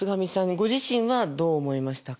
ご自身はどう思いましたか？